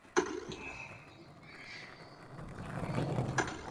En esta temporada alcanza el campeonato de liga griego.